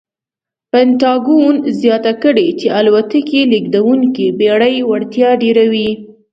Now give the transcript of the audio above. پنټاګون زیاته کړې چې الوتکې لېږدونکې بېړۍ وړتیا ډېروي.